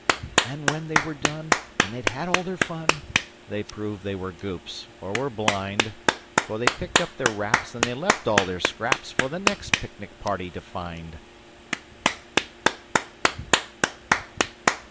And when they were done, and they'd had all their fun, They proved they were Goops, or were blind; For they picked up their wraps and they left all their scraps For the next picnic party to find!